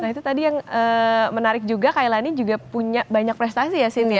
nah itu tadi yang menarik juga kailani juga punya banyak prestasi ya sini ya